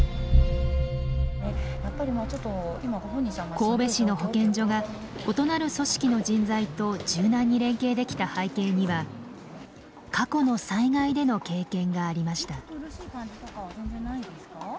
神戸市の保健所が異なる組織の人材と柔軟に連携できた背景には過去の災害での経験がありました。